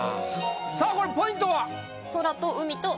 さあこれポイントは？